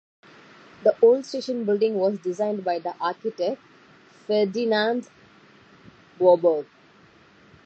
The old station building was designed by the architect Ferdinand Boberg.